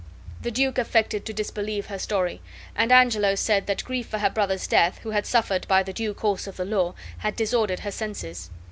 The duke affected to disbelieve her story; and Angelo said that grief for her brother's death, who had suffered by the due course of the law, had disordered her senses.